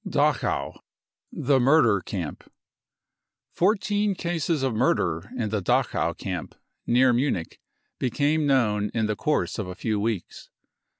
55 Dachau : The Murder Camp. Fourteen cases of murder in the Dachau camp, near Munich, became known in the course of a few weeks.